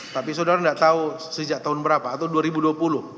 tapi saudara tidak tahu sejak tahun berapa atau dua ribu dua puluh